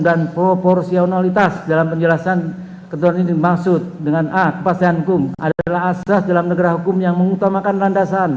dan proporsionalitas dalam penjelasan ketua ini dimaksud dengan a kepastian hukum adalah asas dalam negara hukum yang mengutamakan landasan